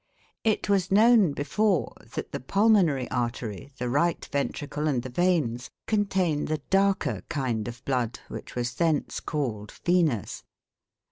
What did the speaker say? It was known before, that the pulmonary artery, the right ventricle, and the veins, contain the darker kind of blood, which was thence called venous.